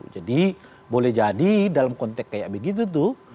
jadi boleh jadi dalam konteks kayak begitu tuh